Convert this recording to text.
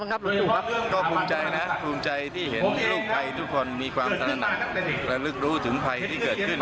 ผมไม่เข้าใจว่าเขาอ่านป้ายไม่ออกหรือเปล่า